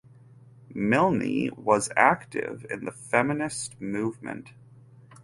Milne was active in the feminist movement.